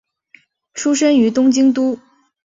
出身于东京都。